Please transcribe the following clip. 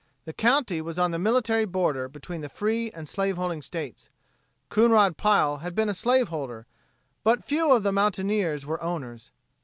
The county was on the military border between the free and the slaveholding states. Coonrod Pile had been a slaveholder, but few of the mountaineers were owners.